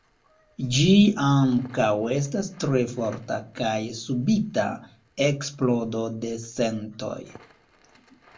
Ĝi ankaŭ estas tre forta kaj subita eksplodo de sentoj.